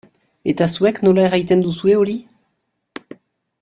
Eta zuek nola erraiten duzue hori?